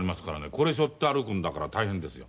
これしょって歩くんだから大変ですよ。